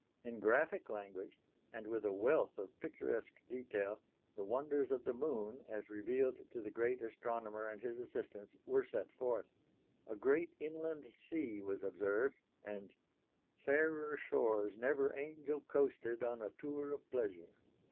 In graphic language, and with a wealth of picturesque detail, the wonders of the Moon as revealed to the great astronomer and his assistants were set forth. A great inland sea was observed, and "fairer shores never angel coasted on a tour of pleasure."